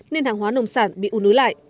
nên hàng hóa nông sản bị ủ nứ lại